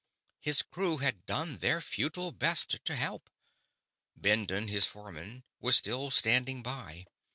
His crew had done their futile best to help; Bendon, his foreman, was still standing by.